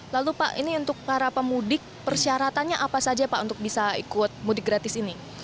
lalu pak ini untuk para pemudik persyaratannya apa saja pak untuk bisa ikut mudik gratis ini